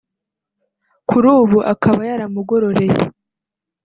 kuri ubu akaba yaramugororeye